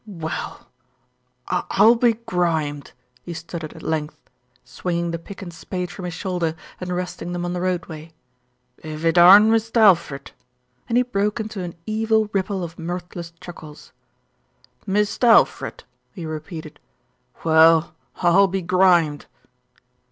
"Well, I'll be grimed!" he stuttered at length, swinging the pick and spade from his shoulder and rest ing them on the roadway. "If it aren't Mist' Alfred," and he broke into an evil ripple of mirthless chuckles. "Mist' Alfred!" he repeated. "Well, I'll be grimed."